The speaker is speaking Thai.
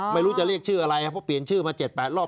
ไม่รู้จะเรียกชื่ออะไรเพราะเปลี่ยนชื่อมา๗๘รอบ